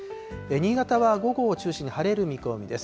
新潟は午後を中心に晴れる見込みです。